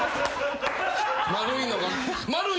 丸いのが。